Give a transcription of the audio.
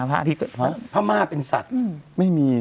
พระม่าเป็นสัตว์ไม่มี